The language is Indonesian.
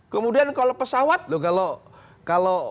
kemudian kalau pesawat kalau